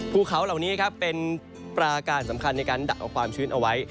ภูเขาเหล่านี้ครับเป็นปราการสำคัญในการดักเอาความชื้นเอาไว้